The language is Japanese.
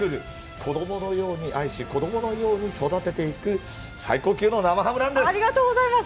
子供のように愛し、子供のように育てていく、最高級の生ハムなんです。